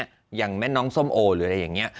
อย่างแม่น้องส้มโอหรืออะไรอย่างนี้